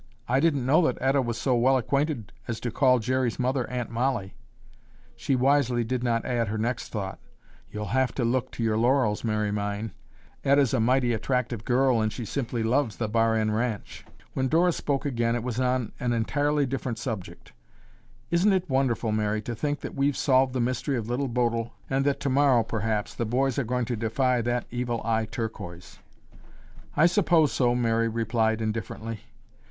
"I didn't know that Etta was so well acquainted as to call Jerry's mother Aunt Mollie." She wisely did not add her next thought, "You'll have to look to your laurels, Mary mine. Etta's a mighty attractive girl and she simply loves the Bar N ranch." When Dora spoke again, it was on an entirely different subject. "Isn't it wonderful, Mary, to think that we've solved the mystery of Little Bodil and that tomorrow, perhaps, the boys are going to defy that Evil Eye Turquoise." "I suppose so," Mary replied indifferently.